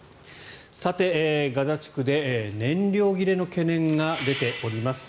ガザ地区で燃料切れの懸念が出ております。